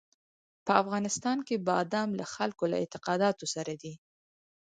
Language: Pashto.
په افغانستان کې بادام له خلکو له اعتقاداتو سره دي.